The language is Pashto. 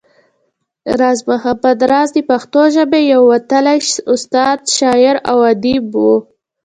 راز محمد راز د پښتو ژبې يو وتلی استاد، شاعر او اديب وو